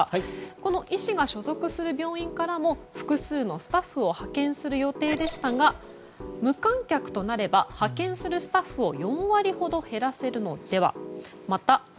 この医師が所属する病院からも複数のスタッフを派遣する予定でしたが無観客となれば派遣するスタッフを４割ほど減らせるのでは。